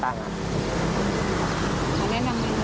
ขอแนะนำเมนูนี้ค่ะ